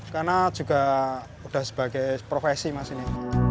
karena juga sudah sebagai profesi mas ini